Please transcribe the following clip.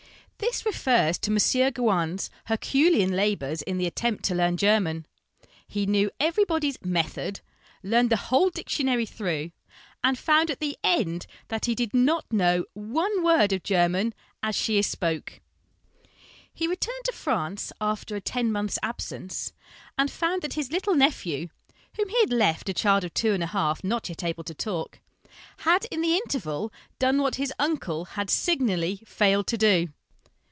This refers to M. Gouin's herculean labours in the attempt to learn German. He knew everybody's * Method/ learned the whole dictionary through, and found at the end that he did not know one word of German ' as she is spoke/ He returned to France, after a ten months' absence, and found that his little nephew whom he had left, a child of two and a half, not yet able to talk had in the interval done what his uncle had signally failed to do.